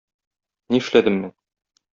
Нишләдем мин?